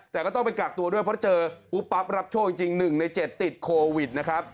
แต่ก็ต้องไปกักตัวด้วยเพราะเจอปุ๊บปั๊บรับโชคจริง๑ใน๗ติดโควิดนะครับ